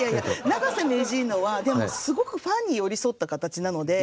永瀬名人のはでもすごくファンに寄り添った形なので。